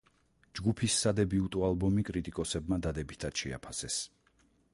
ჯგუფის სადებიუტო ალბომი კრიტიკოსებმა დადებითად შეაფასეს.